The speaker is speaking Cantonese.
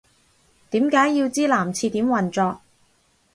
點解要知男廁點運作